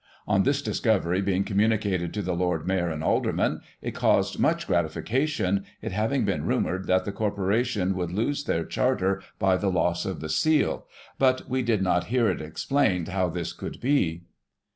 On this discovery being communicated to the Lord Mayor and Aldermeii, it caused much gratification, it having been rumoured that the Corpora tion would lose their Charter by the loss of the seal, but we did not hear it explained how this could be.